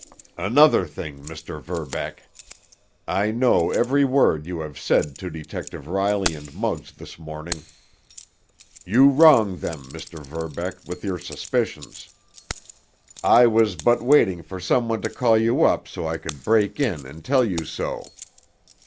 "Another thing, Mr. Verbeck. I know every word you have said to Detective Riley and Muggs this morning. You wrong them, Mr. Verbeck, with your suspicions. I was but waiting for some one to call you up so I could break in and tell you so.